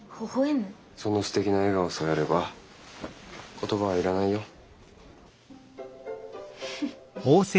そのすてきな笑顔さえあれば言葉はいらないよ。